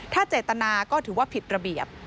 ถ้าเจตนาก็ถือว่าผิดระเบียบ